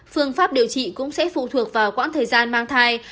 phương pháp điều trị cũng sẽ phụ thuộc vào quãng thời gian mang thai